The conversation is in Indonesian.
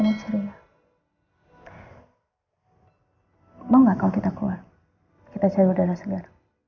mau nggak kalau kita keluar kita cari udara segar